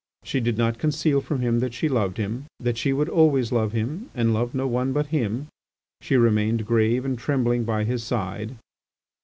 She did not conceal from him that she loved him, that she would always love him, and love no one but him. She remained grave and trembling by his side.